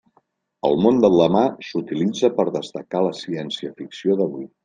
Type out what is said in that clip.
El món del demà s'utilitza per destacar la ciència-ficció d'avui.